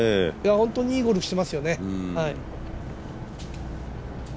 本当にいいゴルフしていますよね。